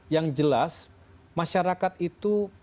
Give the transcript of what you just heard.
yang jelas masyarakat itu